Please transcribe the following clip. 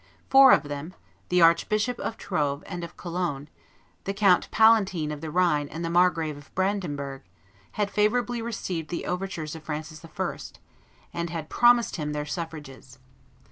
Four of them, the Archbishops of Troves and of Cologne, the Count Palatine of the Rhine and the Margrave of Brandenburg, had favorably received the overtures of Francis I., and had promised him their suffrages.